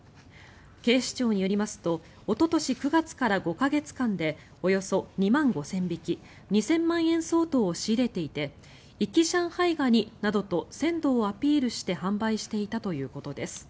警視庁によりますとおととし９月から５か月間でおよそ２万５０００匹２０００万円相当を仕入れていて「活き上海ガニ」などと鮮度をアピールして販売していたということです。